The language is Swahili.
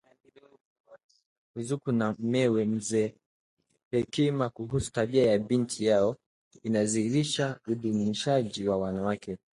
Ruzuku na mumewe Mzee Hekima kuhusu tabia ya binti yao inadhihirisha udunishaji wa mwanamke